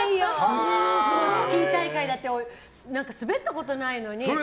スキー大会だって滑ったことないのに。